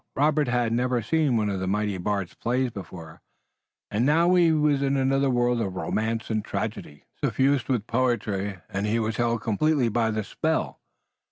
Robert had never seen one of the mighty bard's plays before, and now he was in another world of romance and tragedy, suffused with poetry and he was held completely by the spell.